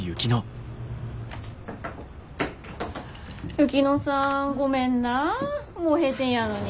雪乃さんごめんなぁもう閉店やのに。